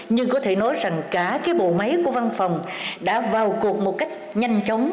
nhưng có thể nói rằng cả cái bộ máy của văn phòng đã vào cuộc một cách nhanh chóng